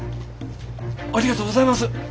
ありがとうございます！